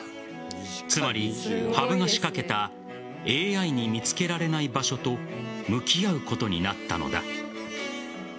つまり、羽生が仕掛けたＡＩに見つけられない場所と向き合うことになったのだ。